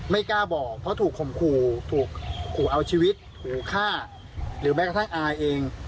ไม่กล้าบอกเพราะถูกข่มขู่ถูกขู่เอาชีวิตขู่ฆ่าหรือแม้กระทั่งอายเอง